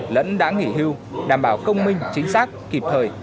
lẫn đã nghỉ hưu đảm bảo công minh chính xác kịp thời